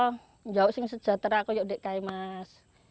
kita harus sejahtera seperti yang dikatakan mas